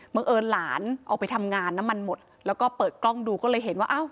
เอิญหลานออกไปทำงานน้ำมันหมดแล้วก็เปิดกล้องดูก็เลยเห็นว่าอ้าว